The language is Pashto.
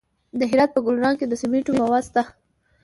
د هرات په ګلران کې د سمنټو مواد شته.